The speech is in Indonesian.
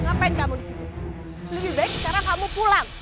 ngapain kamu disini lebih baik sekarang kamu pulang